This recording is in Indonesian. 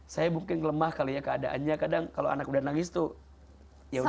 saya mungkin lemah kali ya keadaannya kadang kalau anak udah nangis tuh ya udah